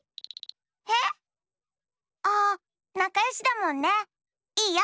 へえっ？あっなかよしだもんね。いいよ。